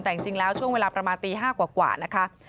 แต่จริงแล้วช่วงเวลาประมาณตี๕กว่านะคะ